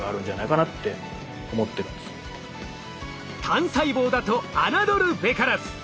単細胞だと侮るべからず！